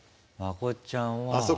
まこっちゃんは。